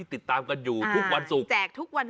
สุดยอดน้ำมันเครื่องจากญี่ปุ่น